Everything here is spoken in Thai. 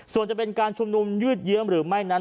ส่วนจะเป็นการชุมนุมยืดเยื้อมหรือไม่นั้น